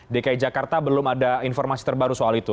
dki jakarta belum ada informasi terbaru soal itu